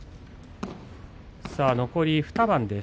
残り２番です。